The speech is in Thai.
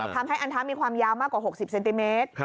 อันทะมีความยาวมากกว่า๖๐เซนติเมตร